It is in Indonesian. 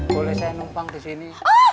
boleh saya numpang di sini